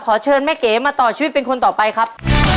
เชิญแม่เก๋มาต่อชีวิตเป็นคนต่อไปครับ